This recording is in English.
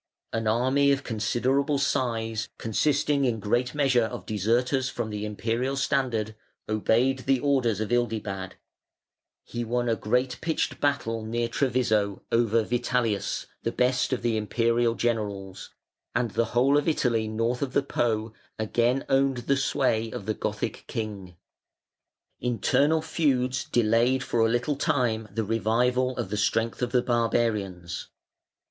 An army of considerable size, consisting in great measure of deserters from the Imperial standard, obeyed the orders of Ildibad; he won a great pitched battle near Treviso over Vitalius, the best of the Imperial generals, and the whole of Italy north of the Po again owned the sway of the Gothic king. Internal feuds delayed for a little time the revival of the strength of the barbarians.